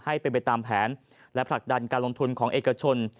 ให้เป็นไปตามแผนและผลักดันการลงทุนของเอกชน